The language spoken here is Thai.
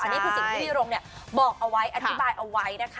อันนี้คือสิ่งที่ดิลงบอกเอาไว้อธิบายเอาไว้